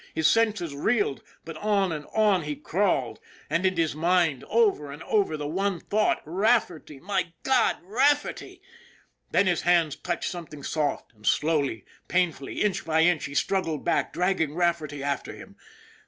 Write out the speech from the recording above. His senses reeled, but on and on he crawled, and in his mind over and over again the one thought :" Rafferty ! My God, Rafferty!" Then his hands touched something soft, and slowly, painfully, inch by inch, he struggled back dragging Rafferty after him.